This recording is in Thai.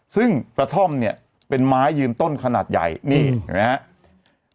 ซึ่งกระท่อมเนี่ยเป็นไม้ยืนต้นขนาดใหญ่นี่เห็นไหมครับ